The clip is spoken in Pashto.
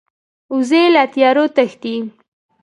وزې له تیارو تښتي